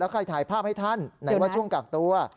ใครถ่ายภาพให้ท่านไหนว่าช่วงกักตัว